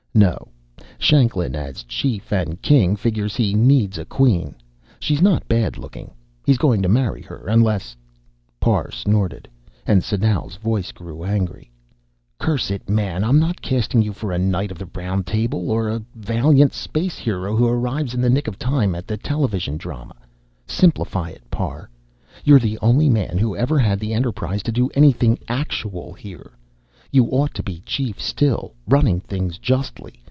"No. Shanklin, as chief and king, figures he needs a queen. She's not bad looking. He's going to marry her, unless " Parr snorted, and Sadau's voice grew angry. "Curse it, man, I'm not casting you for a knight of the Table Round, or the valiant space hero who arrives in the nick of time at the television drama! Simplify it, Parr. You're the only man who ever had the enterprise to do anything actual here. You ought to be chief still, running things justly.